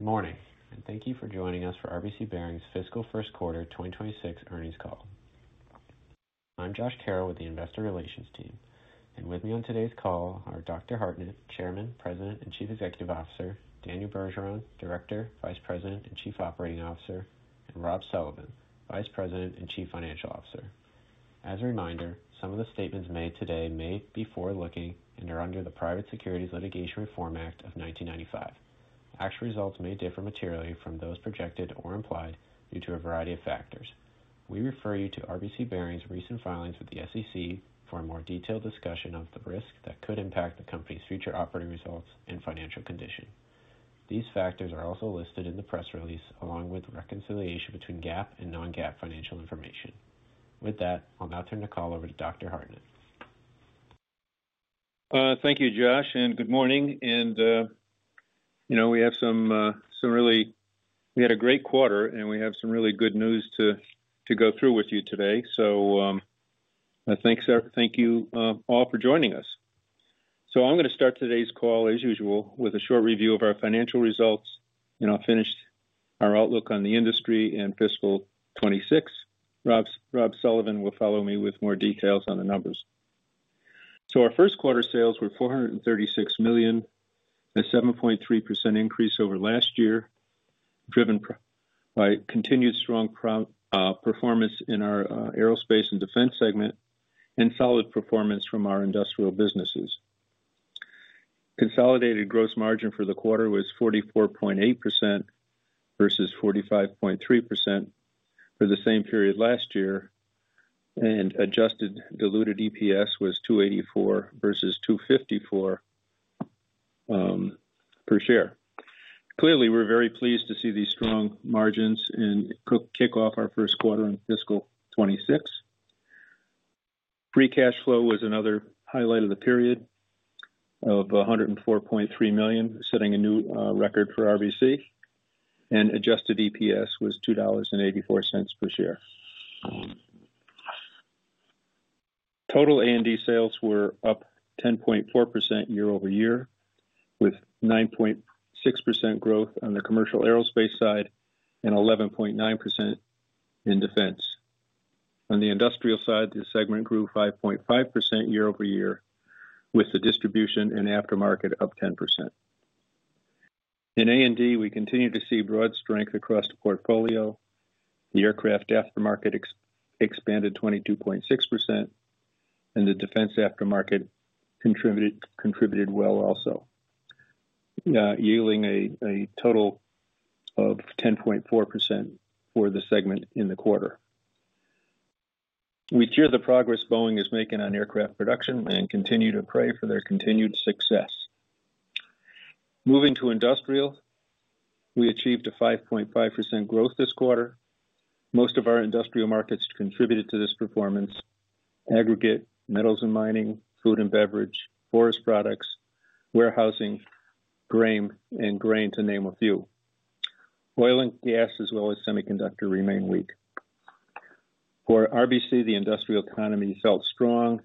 Morning and thank you for joining us for RBC Bearings' fiscal first quarter 2026 earnings call. I'm Josh Carroll with the Investor Relations team and with me on today's call are Dr. Michael Hartnett, Chairman, President and Chief Executive Officer, Daniel Bergeron, Director, Vice President and Chief Operating Officer, and Rob Sullivan, Vice President and Chief Financial Officer. As a reminder, some of the statements made today may be forward looking and are under the Private Securities Litigation Reform Act of 1995. Actual results may differ materially from those projected or implied due to a variety of factors. We refer you to RBC Bearings' recent filings with the SEC for a more detailed discussion of the risks that could impact the company's future operating results and financial condition. These factors are also listed in the press release along with reconciliation between GAAP and non-GAAP Financial nformation. With that, I'll now turn the call over to Dr. Hartnett. Thank you, Josh, and good morning. We had a great quarter and we have some really good news to go through with you today. Thank you all for joining us. I'm going to start today's call as usual with a short review of our financial results and I'll finish our outlook on the industry and fiscal 2026. Rob Sullivan will follow me with more details on the numbers. Our first quarter sales were $436 million, a 7.3% increase over last year, driven by continued strong performance in our AeroSpace and Defense segment and solid performance from our industrial businesses. Consolidated gross margin for the quarter was 44.8% versus 45.3% for the same period last year, and adjusted diluted EPS was $2.84 versus $2.54 per share. Clearly, we're very pleased to see these strong margins and kick off our first quarter in Fiscal 2026. Free Cash Flow was another highlight of the period at $104.3 million, setting a new record for RBC Bearings, and adjusted EPS was $2.84 per share. Total A&D Sales were up 10.4% year-over-year, with 9.6% growth on the commercial AeroSpace side and 11.9% in defense. On the industrial side, the segment grew 5.5% year-over-year, with the distribution and aftermarket up 10%. In A&D, we continue to see broad strength across the portfolio. The aircraft aftermarket expanded 22.6%, and the defense aftermarket contributed well, also yielding a total of 10.4% for the segment in the quarter. We cheer the progress Boeing is making on aircraft production and continue to pray for their continued success. Moving to industrial, we achieved a 5.5% growth this quarter. Most of our industrial markets contributed to this performance: aggregate, metals and mining, food and beverage, forest products, warehousing, grain and grain to name a few. Oil and gas as well as semiconductor remain weak. For RBC, the industrial economy felt strong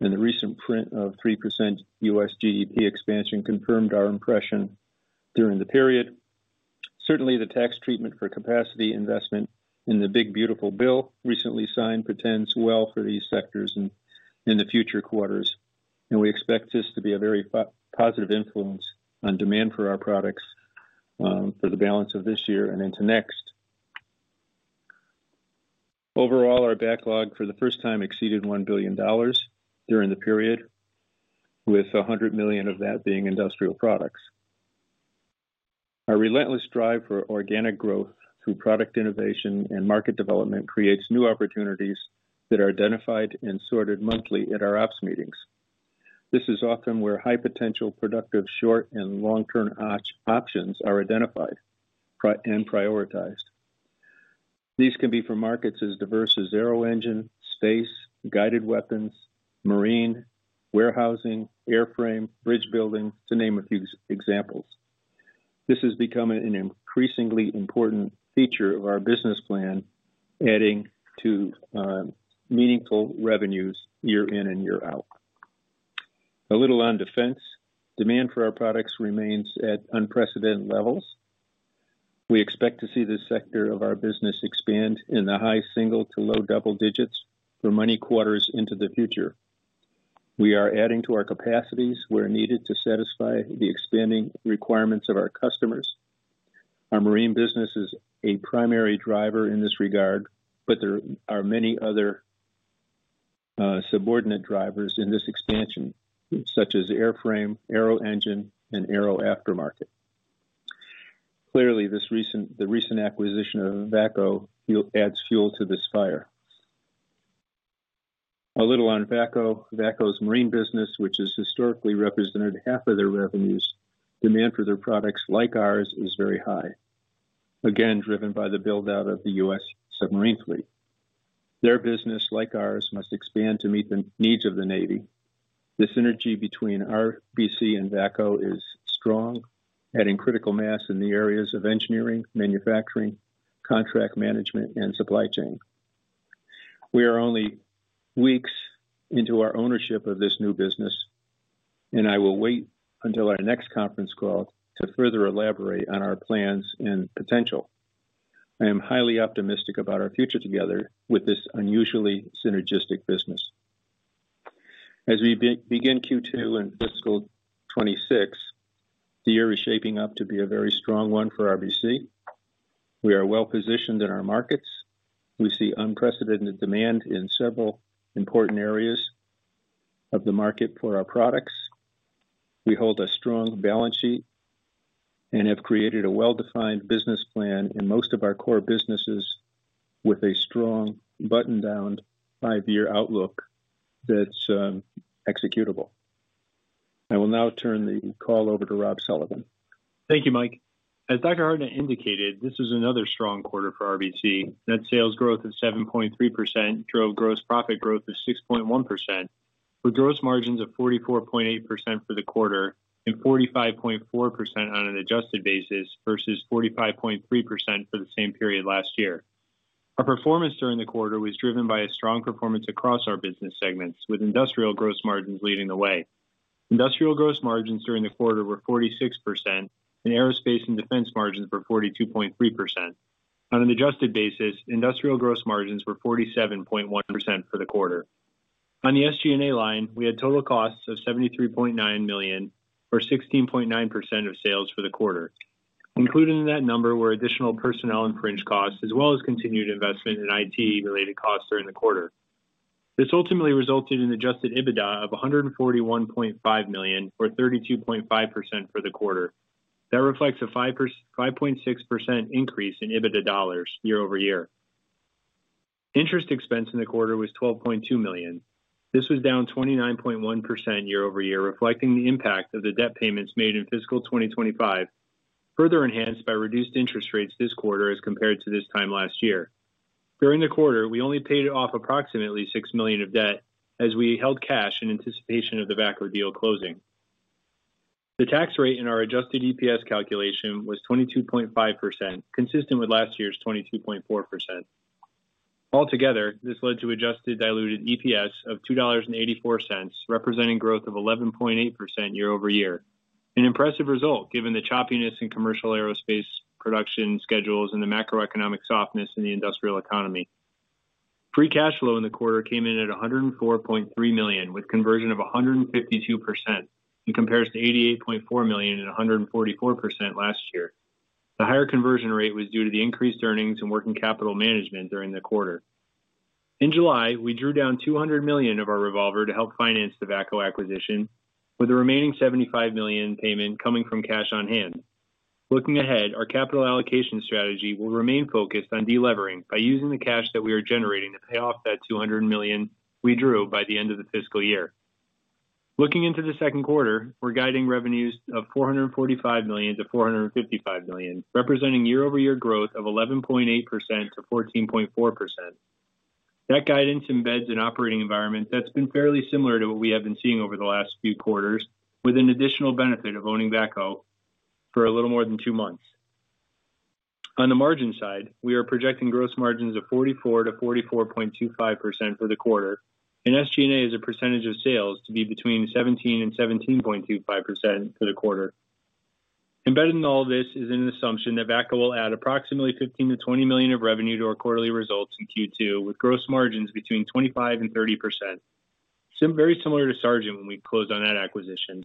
and the recent print of 3% U.S. GDP expansion confirmed our impression during the period. Certainly, the tax treatment for capacity investment in the Big Beautiful Bill recently signed portends well for these sectors in future quarters, and we expect this to be a very positive influence on demand for our products for the balance of this year and into next. Overall, our backlog for the first time exceeded $1 billion during the period, with $100 million of that being industrial products. Our relentless drive for organic growth through product innovation and market development creates new opportunities that are identified and sorted monthly at our OPS meetings. This is often where high potential productive short and long term options are identified and prioritized. These can be for markets as diverse as Aero Engine, Space, Guided Weapons, Marine, Warehousing, Airframe, Bridge Building, to name a few examples. This has become an increasingly important feature of our business plan, adding to meaningful revenues year in and year out. A little on defense. Demand for our products remains at unprecedented levels. We expect to see this sector of our business expand in the high single to low double digits for many quarters into the future. We are adding to our capacities where needed to satisfy the expanding requirements of our customers. Our Marine business is a primary driver in this regard, but there are many other subordinate drivers in this expansion such as Airframe, Aero Engine, and Aero Aftermarket. Clearly, the recent acquisition of VACO adds fuel to this fire. A little on VACO. VACO's marine business, which has historically represented half of their revenues. Demand for their products, like ours, is very high. Again, driven by the build out of the U.S. Submarine fleet. Their business, like ours, must expand to meet the needs of the Navy. The synergy between RBC and VACO is strong, adding critical mass in the areas of Engineering, Manufacturing, Contract Management, and Supply Chain. We are only weeks into our ownership of this new business and I will wait until our next conference call to further elaborate on our plans and potential. I am highly optimistic about our future together with this unusually synergistic business. As we begin Q2 and Fiscal 2026, the year is shaping up to be a very strong one for RBC. We are well positioned in our markets. We see unprecedented demand in several important areas of the market for our products. We hold a strong balance sheet and have created a well defined business plan in most of our core businesses with a strong button down five year outlook that's executable. I will now turn the call over to Rob Sullivan. Thank you, Mike. As Dr. Hartnett indicated, this is another strong quarter for RBC. Net sales growth of 7.3% drove gross-profit-growth of 6.1% with gross margins of 44.8% for the quarter and 45.4% on an adjusted basis versus 45.3% for the same period last year. Our performance during the quarter was driven by a strong performance across our business segments with industrial gross margins leading the way. Industrial gross margins during the quarter were 46% and AeroSpace and Defense margins were 42.3%. On an adjusted basis, industrial gross margins were 47.1% for the quarter. On the SG&A line, we had total costs of $73.9 million or 16.9% of sales for the quarter. Included in that number were additional personnel and fringe costs as well as continued investment in IT-related costs during the quarter. This ultimately resulted in Adjusted EBITDA of $141.5 million or 32.5% for the quarter. That reflects a 5.6% increase in EBITDA dollars year over year. Interest Expense in the quarter was $12.2 million. This was down 29.1% year over year, reflecting the impact of the debt payments made in fiscal 2025, further enhanced by reduced interest rates this quarter as compared to this time last year. During the quarter, we only paid off approximately $6 million of debt as we held cash in anticipation of the VACO deal closing. The tax rate in our adjusted EPS calculation was 22.5%, consistent with last year's 22.4%. Altogether, this led to adjusted diluted EPS of $2.84, representing growth of 11.8% year over year, an impressive result given the choppiness in commercial AeroSpace production schedules and the macroeconomic softness in the industrial economy. Free Cash Flow in the quarter came in at $104.3 million with conversion of 152% in comparison to $88.4 million and 144% last year. The higher conversion rate was due to the increased earnings and working capital management during the quarter. In July, we drew down $200 million of our revolver to help finance the VACO acquisition, with the remaining $75 million payment coming from cash on hand. Looking ahead, our capital allocation strategy will remain focused on deleveraging by using the cash that we are generating to pay off that $200 million we drew by the end of the fiscal year. Looking into the second quarter, we're guiding revenues of $445 million to $455 million, representing 11.8% to 14.4%. That guidance embeds an operating environment that's been fairly similar to what we have been seeing over the last few quarters, with an additional benefit of owning VACO. For a little more than two months. On the margin side, we are projecting gross margins of 44% to 44.25% for the quarter and SG&A as a percentage of sales to be between 17% and 17.25% for the quarter. Embedded in all this is an assumption that VACO will add approximately $15 million to $20 million of revenue to our quarterly results in Q2 with gross margins between 25% and 30%. Very similar to Sargent when we closed on that acquisition.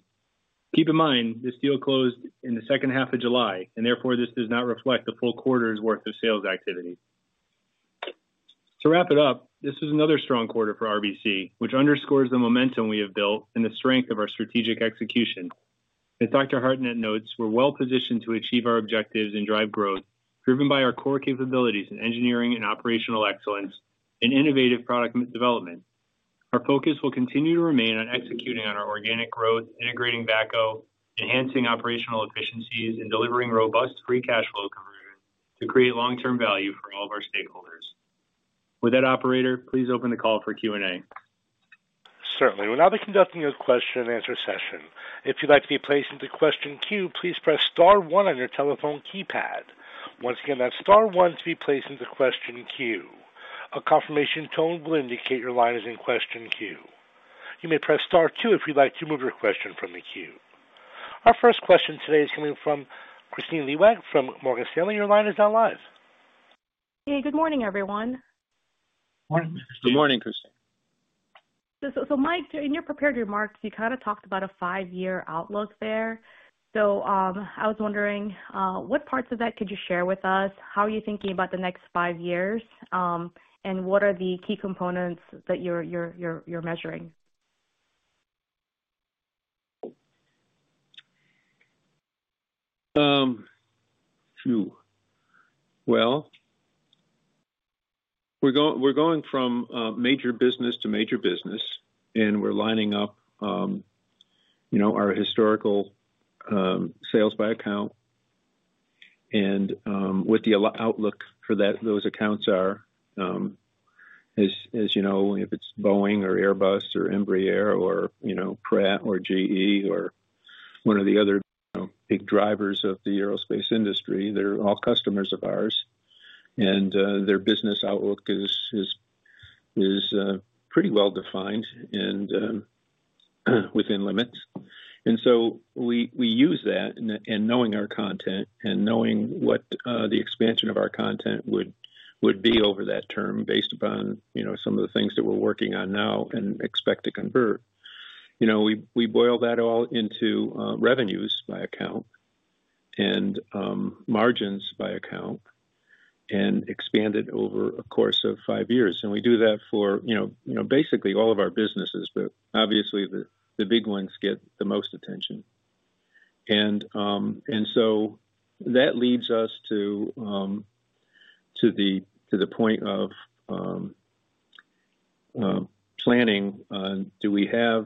Keep in mind, this deal closed in the second half of July and therefore this does not reflect the full quarter's worth of sales activity. To wrap it up, this is another strong quarter for RBC, which underscores the momentum we have built and the strength of our strategic execution. As Dr. Hartnett notes, we're well positioned to achieve our objectives and drive growth driven by our core capabilities in engineering and operational excellence and innovative product development. Our focus will continue to remain on executing on our organic growth, integrating VACO, enhancing operational efficiencies and delivering robust Free Cash Flow conversion to create long-term value for all of our stakeholders. With that, operator, please open the call for Q&A. Certainly. We will now be conducting a question and answer session. If you'd like to be placed into question queue, please press star 1 on your telephone keypad. Once again, that's star 1 to be placed into question queue. A confirmation tone will indicate your line is in question queue. You may press star 2 if you'd like to remove your question from the queue. Our first question today is coming from Kristine Liwag from Morgan Stanley. Your line is now live. Hey, good morning, everyone. Good morning, Kristine. Mike, in your prepared remarks you kind of talked about a five year outlook there. I was wondering what parts of that could you share with us? How are you thinking about the next five years and what are the key components that you're measuring? We're going from major business to major business and we're lining up our historical sales by account and what the outlook for those accounts are. As you know, if it's Boeing or Airbus or Embraer or Pratt & Whitney or GE or one of the other big drivers of the AeroSpace industry, they're all customers of ours and their business outlook is pretty well defined and within limits. We use that, and knowing our content and knowing what the expansion of our content would be over that term based upon some of the things that we're working on now and expect to convert, we boil that all into revenues by account and margins by account and expand it over a course of five years. We do that for basically all of our businesses, but obviously the big ones get the most attention. That leads us to the point of. Planning. Do we have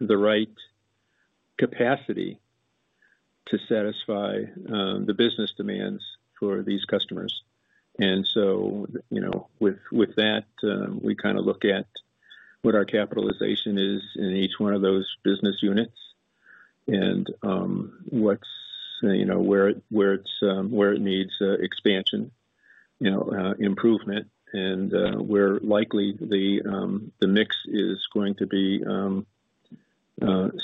the right capacity to satisfy the business demands for these customers? With that, we kind of look at what our capitalization is in each one of those business units and where it needs expansion, improvement. We are likely the mix is going to be the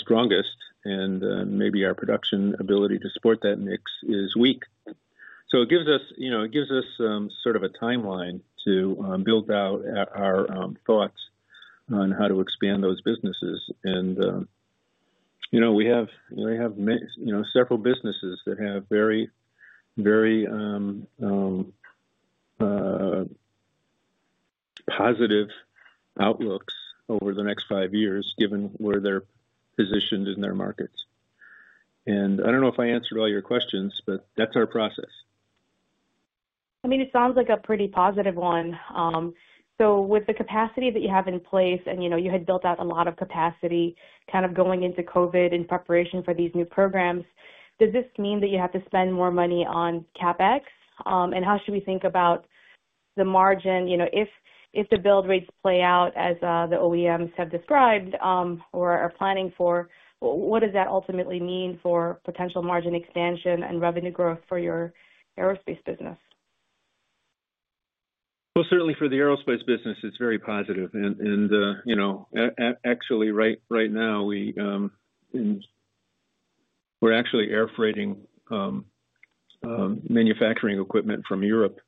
strongest and maybe our production ability to support that mix is weak. It gives us sort of a timeline to build out our thoughts on how to expand those businesses. We have several businesses that have very, very positive outlooks over the next five years given where they're positioned in their markets. I don't know if I answered all your questions, but that's our process. It sounds like a pretty positive one. With the capacity that you have in place and you had built out a lot of capacity going into Covid in preparation for these new programs, does this mean that you have to spend more money on CapEx? How should we think about the margin if the build rates play out as the OEMs have described or are planning for? What does that ultimately mean for potential margin expansion and revenue growth for your AeroSpace business? Certainly for the AeroSpace business, it's very positive. Actually right now, we're air freighting manufacturing equipment from Europe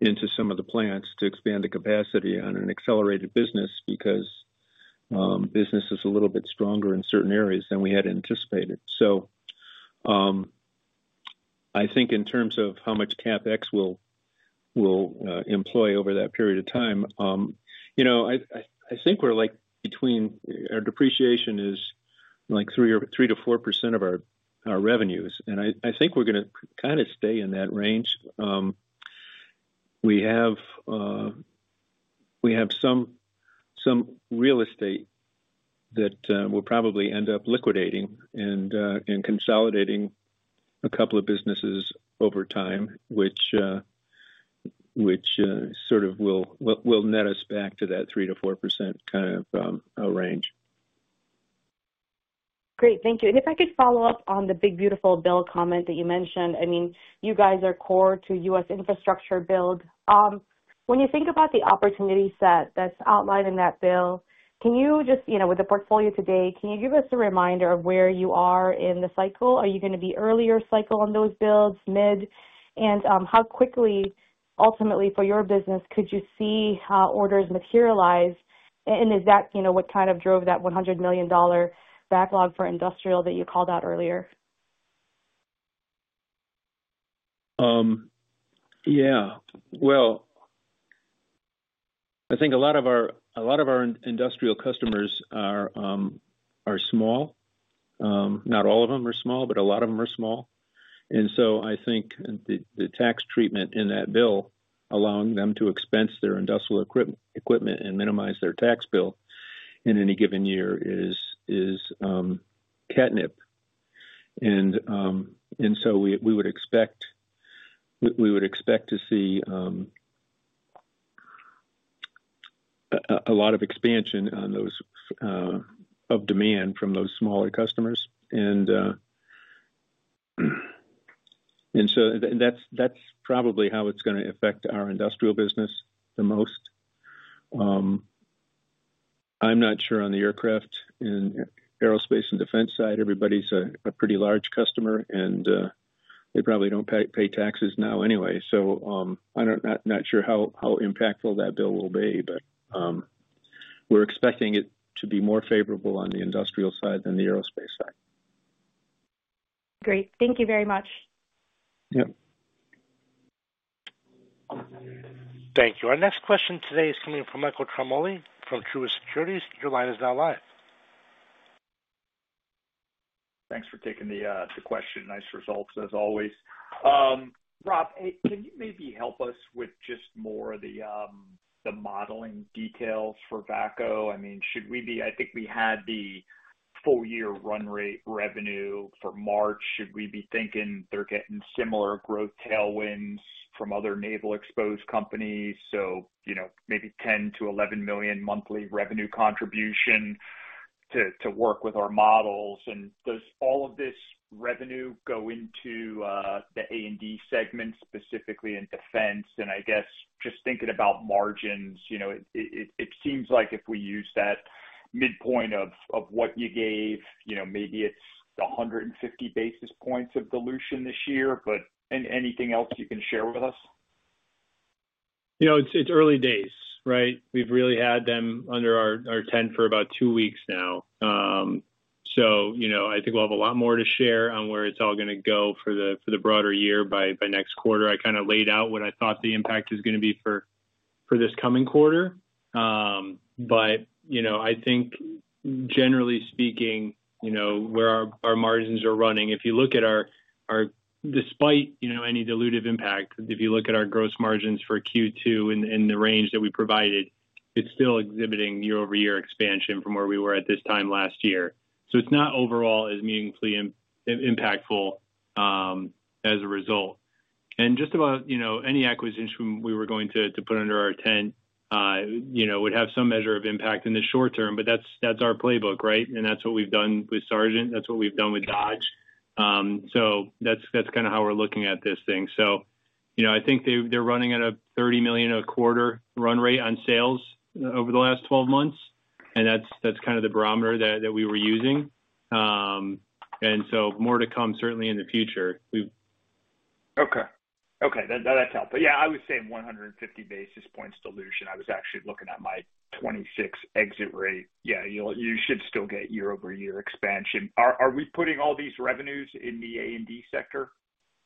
into some of the plants to expand the capacity on an accelerated business because business is a little bit stronger in certain areas than we had anticipated. I think in terms of how much CapEx we'll employ over that period of time, you know, I think we're like between our depreciation is like 3 or 3 to 4% of our revenues, and I think we're going to kind of stay in that range. We have some real estate that will probably end up liquidating and consolidating a couple of businesses over time, which sort of will net us back to that 3 to 4% kind of range. Great, thank you. If I could follow up on the Big Beautiful Bill comment that you mentioned. I mean, you guys are core to U.S. Infrastructure Build. When you think about the opportunity set that's outlined in that bill, can you, with the portfolio today, give us a reminder of where you are in the cycle? Are you going to be earlier cycle on those builds, middle? How quickly, ultimately, for your business could you see orders materialize? Is that what kind of drove that $100 million backlog for industrial that you called out earlier? I think a lot of our industrial customers are small. Not all of them are small, but a lot of them are small. I think the tax treatment in that Bill allowing them to expense their industrial equipment and minimize their tax bill in any given year is catnip. We would expect to see a lot of expansion of demand from those smaller customers. That's probably how it's going to affect our industrial business the most. I'm not sure. On the aircraft and AeroSpace and Defense side, everybody's a pretty large customer and they probably don't pay taxes now anyway. I'm not sure how impactful that bill will be, but we're expecting it to be more favorable on the industrial side than the AeroSpace side. Great, thank you very much. Thank you. Our next question today is coming from Michael Ciarmoli from Truist Securities. Your line is now live. Thanks for taking the question. Nice results as always. Rob, can you maybe help us with just more of the modeling details for VACO? I mean, should we be, I think we had the full year run rate revenue for March. Should we be thinking they're getting similar growth tailwinds from other naval exposed companies, so you know, maybe $10 to $11 million monthly revenue contribution to work with our models. Does all of this revenue go into the A&D segment specifically in defense? I guess just thinking about margins, it seems like if we use that midpoint of what you gave, maybe it's 150 basis points of dilution this year. Anything else you can share with. It's early days, right. We've really had them under our tent for about two weeks now. I think we'll have a lot more to share on where it's all going to go for the broader year by next quarter. I kind of laid out what I thought the impact is going to be for this coming quarter. I think generally speaking where our margins are running, if you look at our, despite any dilutive impact, if you look at our gross margins for Q2 and the range that we provided, it's still exhibiting year-over-year expansion from where we were at this time last year. It's not overall as meaningfully impactful as a result. Just about any acquisition we were going to put under our tent would have some measure of impact in the short term. That's our playbook. Right. That's what we've done with Sargent, that's what we've done with Dodge. That's kind of how we're looking at this thing. I think they're running at a $30 million a quarter run rate on sales over the last 12 months, and that's kind of the barometer that we were using, so more to come certainly in the future. Okay, that's helpful. Yeah, I was saying 150 basis points dilution. I was actually looking at my 2026 exit rate. Yeah, you should still get year-over-year expansion. Are we putting all these revenues in the A&D sector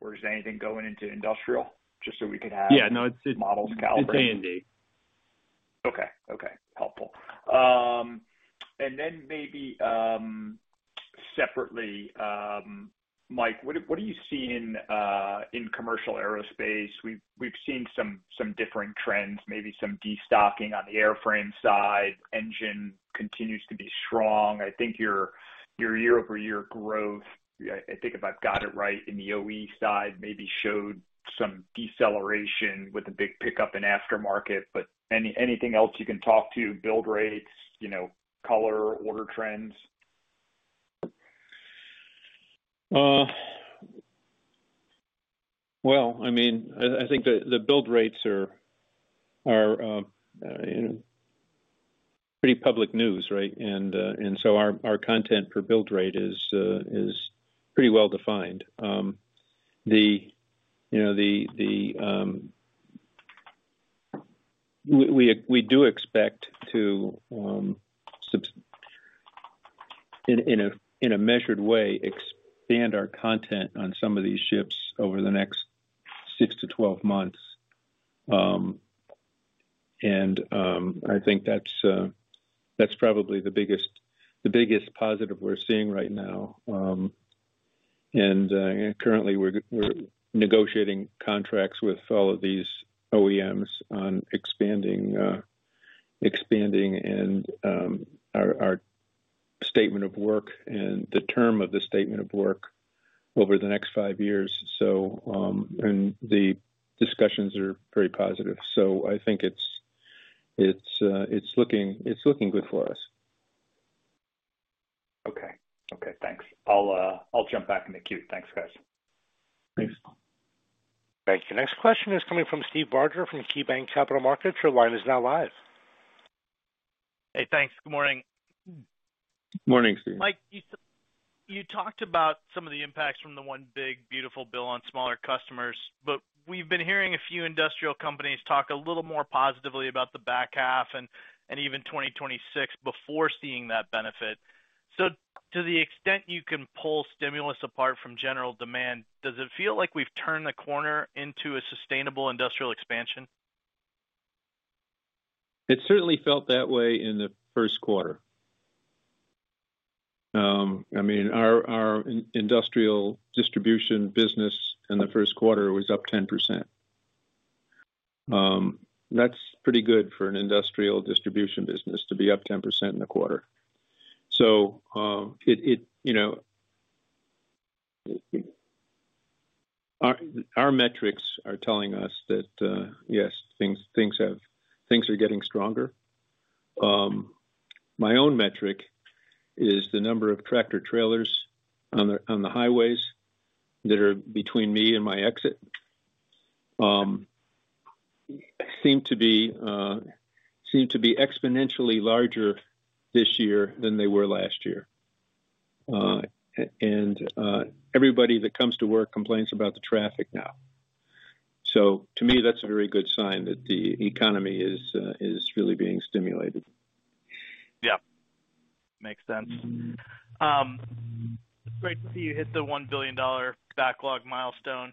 or is anything going into industrial just so we could have. Yeah, no, it's models Calibrated A&D. Okay, okay, helpful. Maybe separately, Mike, what do you see in commercial AeroSpace? We've seen some differing trends, maybe some destocking on the airframe side. Engine continues to be strong. I think your year-over-year growth, I think if I've got it right in the OE side, maybe showed some deceleration with a big pickup in aftermarket. Anything else you can talk to, build rates, color order, trends? I think the build rates are, you know, pretty public news, right, and our content per build rate is pretty well defined. We do expect to in a measured way expand our content on some of these ships over the next six to 12 months. I think that's probably the biggest positive we're seeing right now. Currently, we're negotiating contracts with all of these OEMs on expanding our statement of work and the term of the statement of work over the next five years. The discussions are very positive. I think it's looking good for us. Okay, thanks. I'll jump back in the queue. Thanks, guys. Thanks. Thank you. Next question is coming from Steve Barger from KeyBanc Capital Markets. Your line is now live. Hey thanks. Good morning. Morning, Steve. Mike, you talked about some of the impacts from the one Big Beautiful Bill on smaller customers. We've been hearing a few industrial companies talk a little more positively about the back half and even 2026 before seeing that benefit. To the extent you can pull stimulus apart from general demand, does it feel like we've turned the corner into a sustainable industrial expansion? It certainly felt that way in the first quarter. I mean, our industrial distribution business in the first quarter was up 10%. That's pretty good for an Industrial Distribution business to be up 10% in the quarter. Our metrics are telling us that yes, things are getting stronger. My own metric is the number of tractor trailers on the highways that are between me and my exit seem to be exponentially larger this year than they were last year. Everybody that comes to work complains about the traffic now. To me that's a very good sign that the economy is really being stimulated. Yeah, makes sense. Great to see you hit the $1 billion backlog milestone.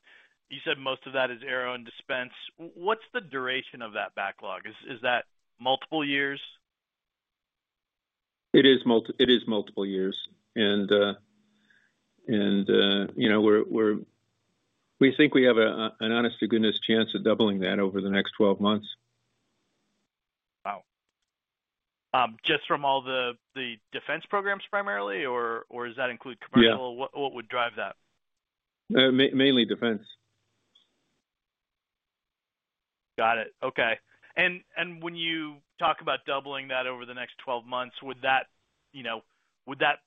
You said most of that is aero and defense. What's the duration of that backlog? Is that multiple years? It is multiple years. We think we have an honest to goodness chance of doubling that over the next 12 months. Wow. Just from all the defense programs primarily, or does that include commercial? What would drive that? Mainly defense. Got it. Okay. When you talk about doubling that over the next 12 months, would that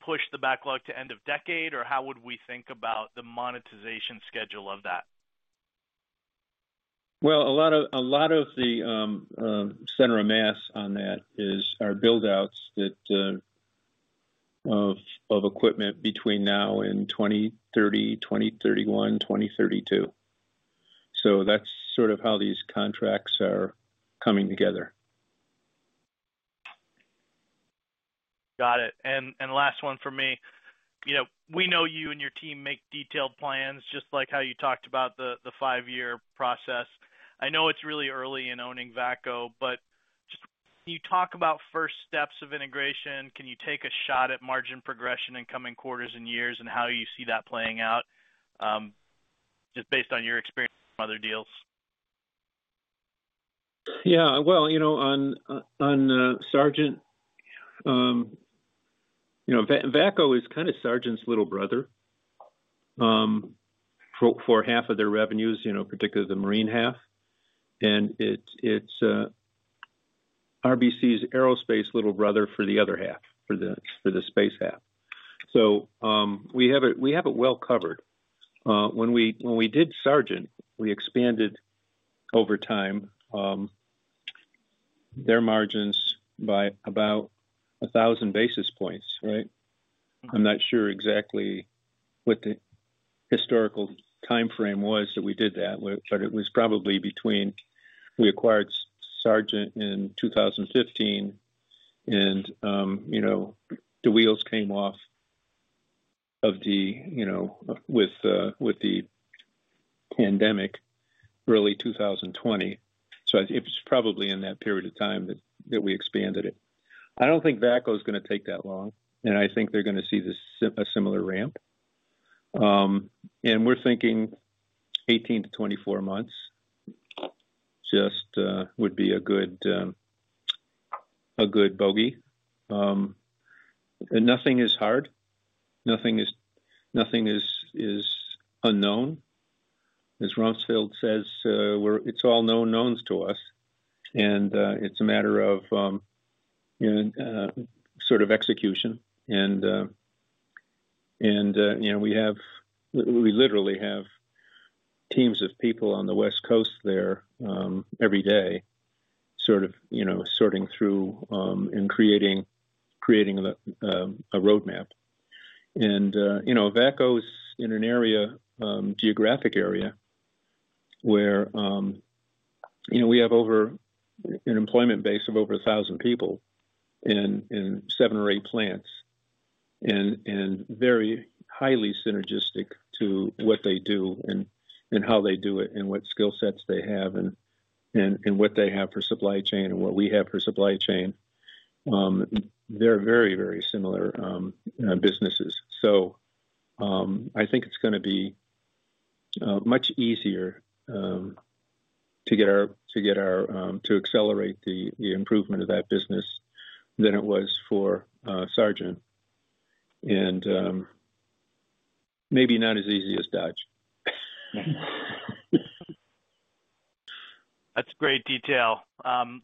push the backlog to end of decade, or how would we think about the monetization schedule of that? A lot of the center of mass on that is our build outs of equipment between now and 2030, 2031, 2032. That's sort of how these contracts are coming together. Got it. Last one for me, you know, we know you and your team make detailed plans. Just like how you talked about the five-year process. I know it's really early in owning VACO, but just you talk about first steps of integration. Can you take a shot at margin progression in coming quarters and years and how you see that playing out just based on your experience, other deals? Yeah, you know, on Sargent. You. VACO is kind of Sargent's little brother for half of their revenues, particularly the marine half. It's RBC's AeroSpace little brother for the other half, for the Space half. We have it well covered. When we did Sargent, we expanded over time their margins by about 1,000 basis points. I'm not sure exactly what the historical time frame was that we did that, but it was probably between when we acquired Sargent in 2015 and when the wheels came off with the pandemic, early 2020. It was probably in that period of time that we expanded it. I don't think VACO is going to take that long and I think they're going to see a similar ramp. We're thinking 18 to 24 months would be a good bogey. Nothing is hard, nothing is unknown. As Rumsfeld says, it's all known knowns to us and it's a matter of execution. We literally have teams of people on the West Coast there every day sorting through and creating a roadmap. VACO is in a geographic area where we have an employment base of over 1,000 people and seven or eight plants, and it's very highly synergistic to what they do and how they do it, what skill sets they have, and what they have for supply chain and what we have for supply chain. They're very, very similar businesses. I think it's going to be much easier to accelerate the improvement of that business than it was for Sargent and maybe not as easy as Dodge. That's great detail.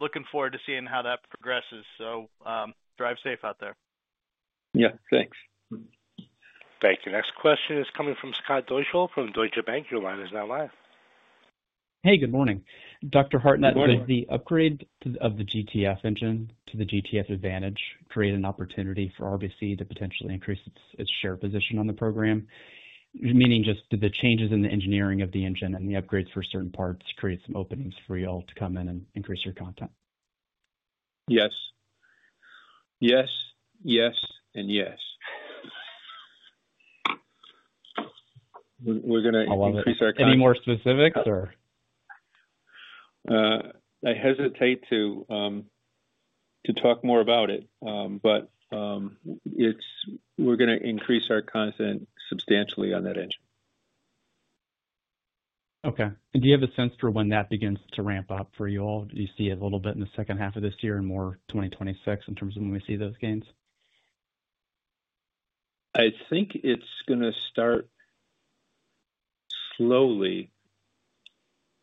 Looking forward to seeing how that progresses. Drive safe out there. Yeah, thanks. Thank you. Next question is coming from Scott Deuschle from Deutsche Bank. Your line is now live. Hey, good morning. Dr. Hartnett, does the upgrade of the GTF Engine to the GTF Advantage create an opportunity for RBC to potentially increase its share position on the program? Meaning just the changes in the engineering of the engine and the upgrades for certain parts create some openings for you all to come in and increase your content? Yes, yes, yes, and yes, we're going to increase our content. Any more specifics? I hesitate to talk more about it, but it's, we're going to increase our content substantially on that engine. Okay, do you have a sense for when that begins to ramp up for you all? Do you see a little bit in the second half of this year and more 2026 in terms of when we see those gains? I think it's going to start slowly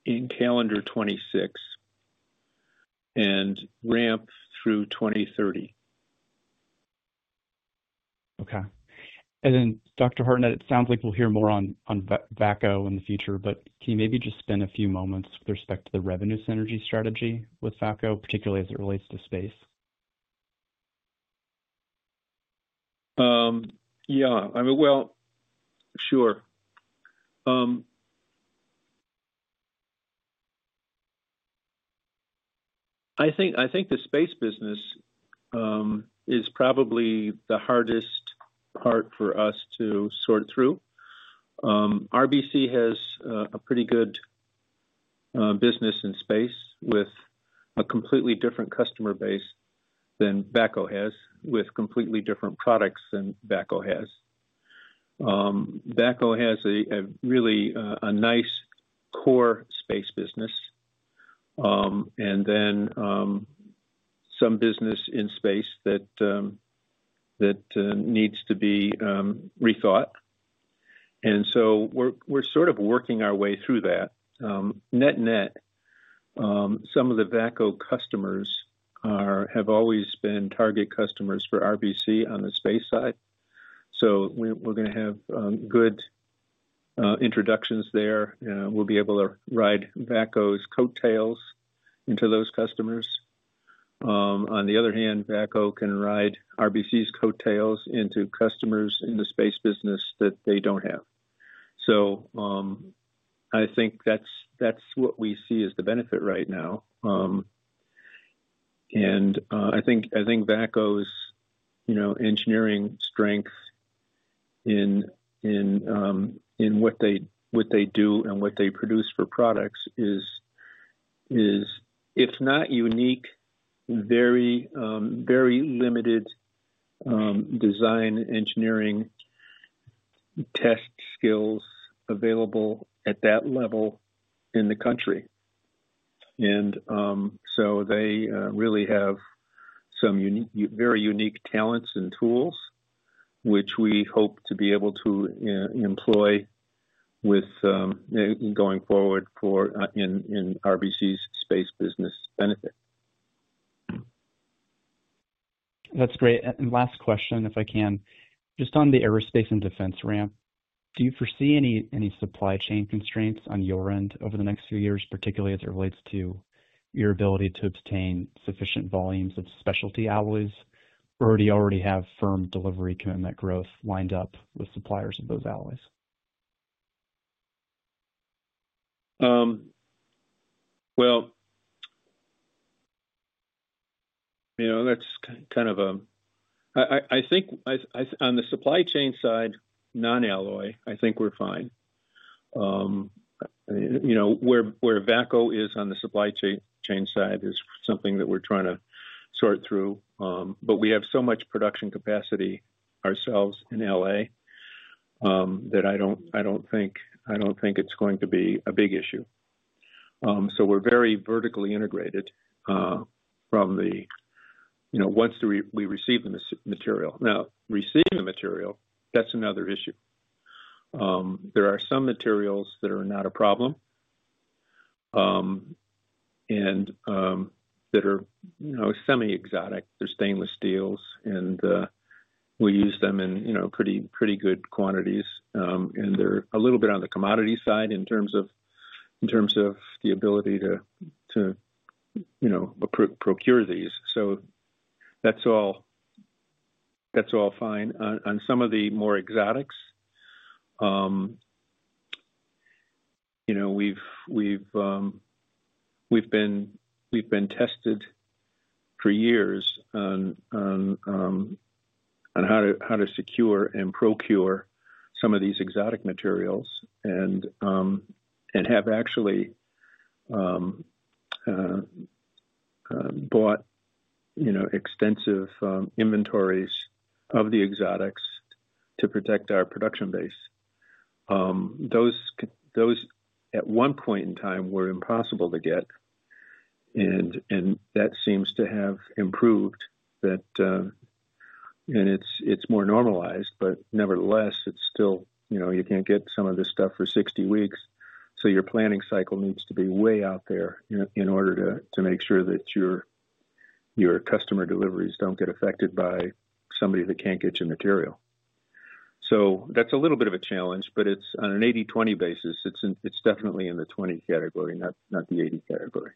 in calendar 2026 and ramp through 2030. Okay. Dr. Hartnett, it sounds like we'll hear more on VACO in the future, but can you maybe just spend a few moments with respect to the revenue synergy strategy with VACO, particularly as it relates to Space. Yeah, I mean, I think the Space business is probably the hardest part for us to sort through. RBC Bearings has a pretty good business in Space with a completely different customer base than VACO has, with completely different products than VACO has. VACO has a really nice core Space business and then some business in Space that needs to be rethought. We're sort of working our way through that. Net net, some of the VACO customers have always been target customers for RBC Bearings on the Space side. We're going to have good introductions there. We'll be able to ride VACO's coattails into those customers. On the other hand, VACO can ride RBC Bearings' coattails into customers in the Space business that they don't have. I think that's what we see as the benefit right now. I think VACO's engineering strength in what they do and what they produce for products is, if not unique, very, very limited design engineering test skills available at that level in the country. They really have some very unique talents and tools which we hope to be able to employ going forward in RBC's Space business benefit. That's great. Last question, if I can just. On the AeroSpace and Defense ramp, do you foresee any supply chain constraints on your end over the next few years, particularly as it relates to your ability to obtain sufficient volumes of specialty alloys, or do you already have firm delivery commitment growth lined up with suppliers of those alloys? That's kind of a, I think on the supply chain side, non-alloy, I think we're fine. You. Where VACO is on the supply chain side is something that we're trying to sort through. We have so much production capacity ourselves in LA that I don't think it's going to be a big issue. We're very vertically integrated from the, you know, once we receive the material. Now, receive the material, that's another issue. There are some materials that are not a problem and that are, you know, semi exotic. They're stainless steels and we use them in, you know, pretty, pretty good quantities and they're a little bit on the commodity side in terms of the ability to, you know, procure these. That's all fine. On some of the more exotics, you. Know. We've been tested for years on how to secure and procure some of these exotic materials and have actually bought extensive inventories of the exotics to protect our production base. Those at one point in time were impossible to get, and that seems to have improved and it's more normalized. Nevertheless, it's still, you can't get some of this stuff for 60 weeks. Your planning cycle needs to be way out there in order to make sure that your customer deliveries don't get affected by somebody that can't get your material. That's a little bit of a challenge, but it's on an 80/20 basis. It's definitely in the 20 category, not the 80 category.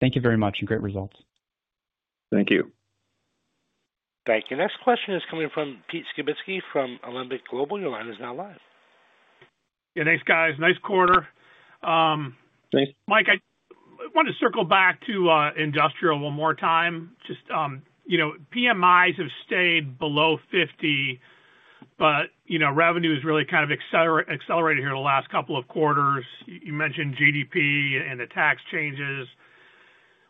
Thank you very much, and great results. Thank you. Thank you. Next question is coming from Pete Skibitski from Alembic Global. Your line is now live. Yeah, thanks guys. Nice quarter, Mike. I want to circle back to industrial one more time. PMIs have stayed below 50, but revenue has really kind of accelerated here the last couple of quarters. You mentioned GDP and the tax changes.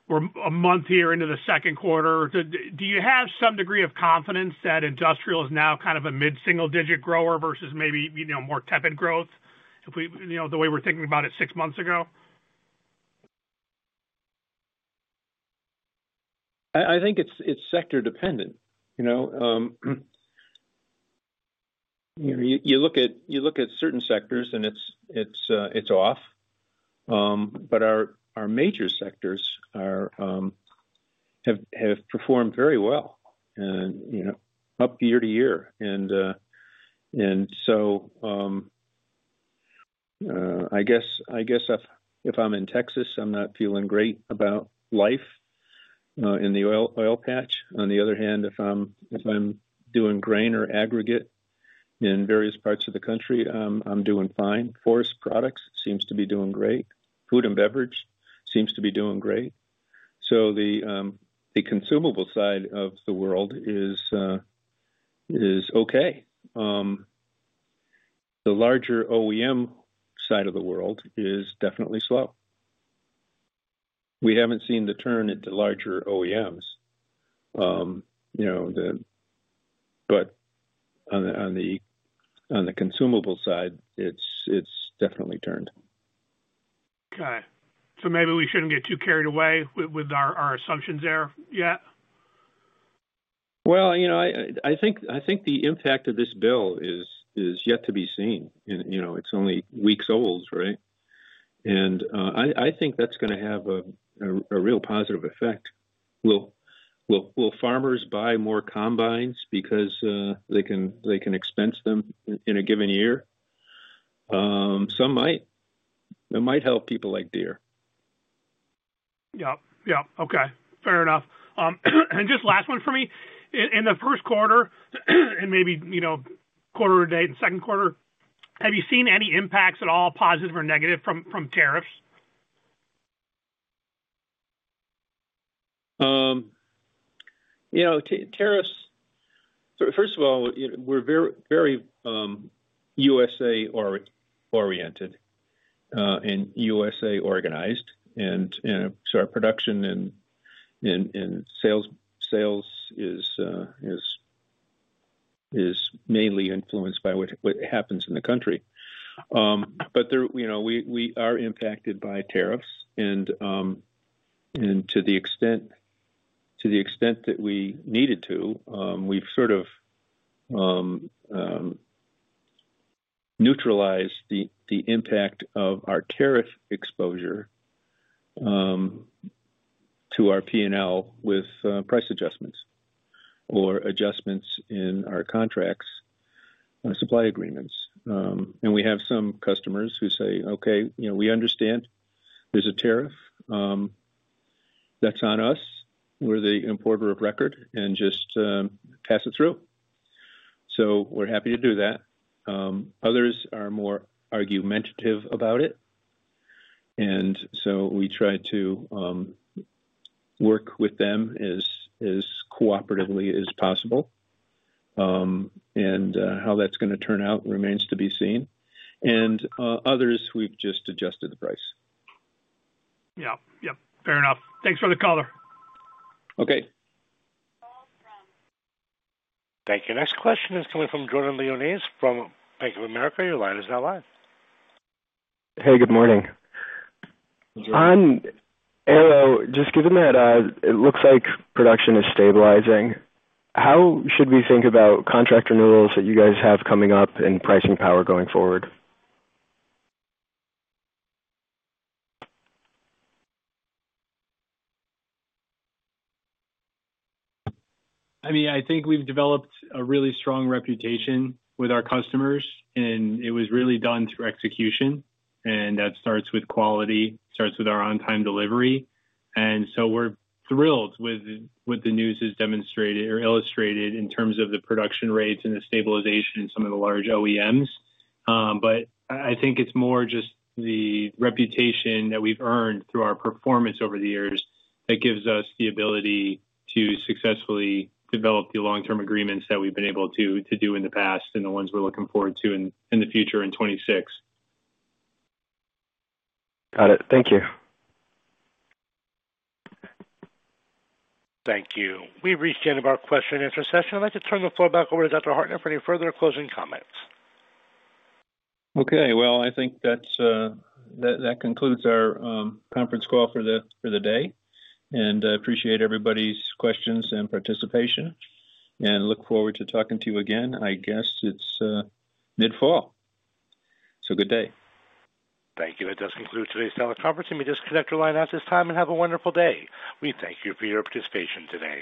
We're a month here into the second quarter. Do you have some degree of confidence that industrial is now kind of a mid single digit grower versus maybe more tepid growth if we, the way we're thinking about it six months ago? I. think it's sector dependent. You know, you look at certain sectors and it's off. Our major sectors have performed very well up year to year. I guess if I'm in Texas, I'm not feeling great about life in the oil patch. On the other hand, if I'm doing grain or aggregate in various parts of the country, I'm doing fine. Forest products seem to be doing great. Food and beverage seem to be doing great. The consumable side of the world is okay. The larger OEM side of the world is definitely slow. We haven't seen the turn into larger OEMs. On the consumable side it's definitely turned. Okay, maybe we shouldn't get too carried away with our assumptions there yet? I think the impact of this bill is yet to be seen. It's only weeks old, right, and I think that's going to have a real positive effect. Will farmers buy more combines because they can expense them in a given year? Some might. It might help people like Deere. Okay, fair enough. Just last one for me, in the first quarter and maybe, you know, quarter to date and second quarter, have you seen any impacts at all, positive or negative from tariffs? You know, tariffs? First of all, we're very U.S.A. oriented and U.S.A. organized, and our production and sales is mainly influenced by what happens in the country. We are impacted by tariffs. To the extent that we needed to, we've sort of neutralized the impact of our tariff exposure to our P&L with price adjustments or adjustments in our contracts, supply agreements. We have some customers who say, okay, you know, we understand there's a tariff that's on us, we're the importer of record and just pass it through. We're happy to do that. Others are more argumentative about it, and we try to work with them as cooperatively as possible. How that's going to turn out remains to be seen. Others, we've just adjusted the price. Yeah. Fair enough. Thanks for the color. Okay. Thank you. Next question is coming from Jordan Lyonnais from Bank of America. Your line is now live. Hey, good morning on Arrow. Just given that it looks like production is stabilizing, how should we think about contract renewals that you guys have coming up in pricing power going forward? I think we've developed a. Really strong reputation with our customers, and it was really done through execution. That starts with quality, starts with our on-time delivery. We're thrilled with what the news has demonstrated or illustrated in terms of the production rates and the stabilization in some of the large OEMs. I think it's more just the reputation that we've earned through our performance over the years that gives us the ability to successfully develop the long-term agreements that we've been able to do in the past and the ones we're looking forward to in the future in 2026. Got it. Thank you. Thank you. We've reached the end of our question and answer session. I'd like to turn the floor back over to Dr. Michael Hartnett for any further closing comments. Okay, I think that concludes our conference call for the day. I appreciate everybody's questions and participation and look forward to talking to you again. I guess it's mid fall, so good day. Thank you. That does conclude today's teleconference. You may disconnect your line at this time and have a wonderful day. We thank you for your participation today.